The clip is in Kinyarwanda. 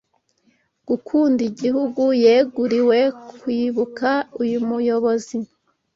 gukunda igihugu yeguriwe kwibuka uyu muyobozi